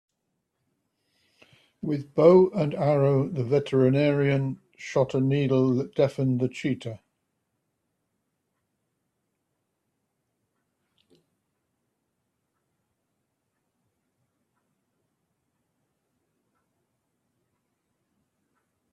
With bow and arrow the veterinarian shot a needle that deafened the cheetah.